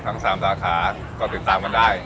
ทั้ง๓สาขาก็ติดตามกันได้